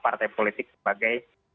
partai politik sebagai